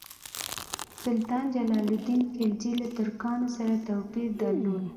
سلطان جلال الدین خلجي له ترکانو سره توپیر درلود.